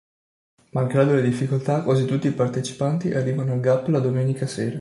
Malgrado le difficoltà, quasi tutti i partecipanti arrivano a Gap la domenica sera.